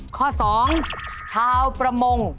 ข้อสองชาวประมง